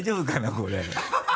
これ。